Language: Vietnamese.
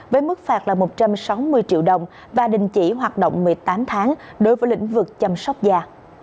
với mức phạt là một trăm sáu mươi triệu đồng và đình chỉ hoạt động một mươi tám tháng đối với lĩnh vực chăm sóc da